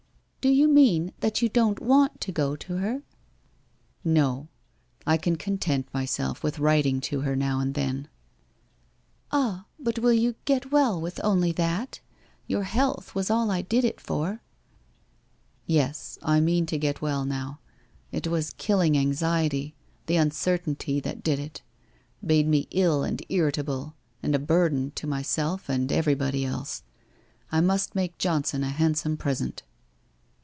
' Do you mean that you don't want to go to her? *' No. I can content myself with writing to her now and then/ ' Ah, but will you get well with only that ? Your health was all I did it for.' ' Yes, I mean to get well now. It was the killing anx iety, the uncertainty, that did it — made me ill and irri table, and a burden to myself and everybody else. I must make Johnson a handsome present.'